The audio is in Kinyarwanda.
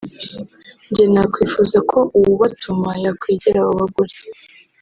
njye nakwifuza ko uwo ubatuma yakwegera abo bagore